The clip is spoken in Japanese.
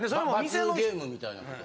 罰ゲームみたいなこと？